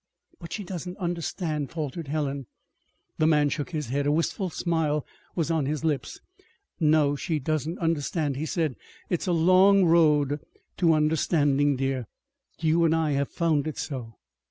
"But she doesn't understand," faltered Helen. The man shook his head. A wistful smile was on his lips. "No, she doesn't understand," he said. "It's a long road to understanding, dear. You and I have found it so."